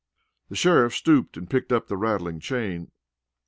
The sheriff stooped and picked up the rattling chain.